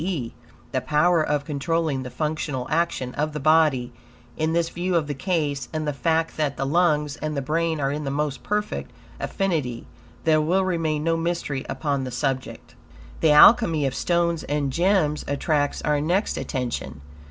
e., the power of controlling the functional action of the body, in this view of the case, and the fact that, the lungs and the brain are in the most perfect affinity, there will remain no mystery upon the subject. The Alchemy of stones and gems attracts our next attention.